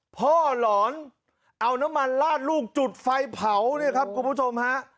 หลอนเอาน้ำมันลาดลูกจุดไฟเผาเนี่ยครับคุณผู้ชมฮะ